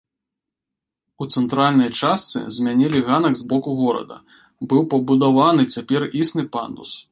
У цэнтральнай частцы змянілі ганак з боку горада, быў пабудаваны цяпер існы пандус.